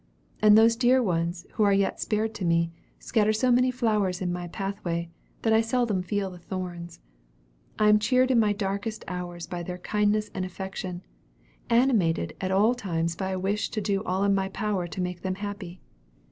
And those dear ones who are yet spared to me, scatter so many flowers in my pathway, that I seldom feel the thorns. I am cheered in my darkest hours by their kindness and affection, animated at all times by a wish to do all in my power to make them happy.